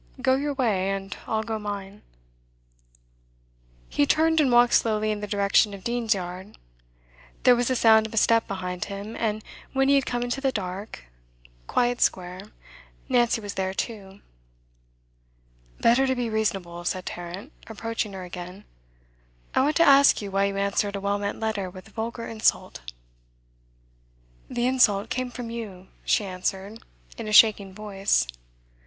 Go your way, and I'll go mine.' He turned, and walked slowly in the direction of Dean's Yard. There was the sound of a step behind him, and when he had come into the dark, quiet square, Nancy was there too. 'Better to be reasonable,' said Tarrant, approaching her again. 'I want to ask you why you answered a well meant letter with vulgar insult?' 'The insult came from you,' she answered, in a shaking voice.